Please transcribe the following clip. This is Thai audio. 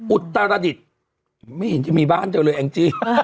อุตราดิตไม่เห็นจะมีบ้านเจ้าเลยแองจิ